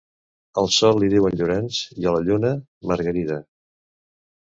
Al Sol li diuen Llorenç i a la Lluna..., Margarida.